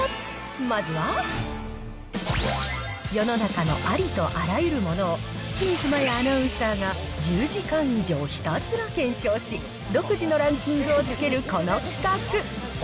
まずは、世の中のありとあらゆるものを清水麻椰アナウンサーが１０時間以上ひたすら検証し、独自のランキングをつけるこの企画。